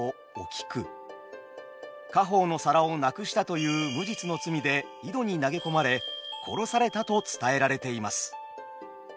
家宝の皿をなくしたという無実の罪で井戸に投げ込まれ殺されたと伝えられています。